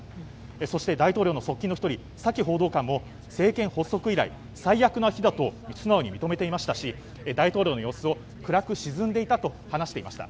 そして、大統領側近の１人サキ報道官も政権発足以来最悪の日だと素直に認めていましたし大統領の様子を暗く沈んでいたと話していました。